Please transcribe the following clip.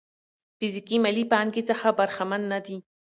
فزيکي مالي پانګې څخه برخمن نه دي.